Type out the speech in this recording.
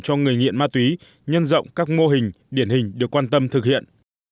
cho người nghiện ma túy nhân rộng các mô hình điển hình được quan tâm thực hiện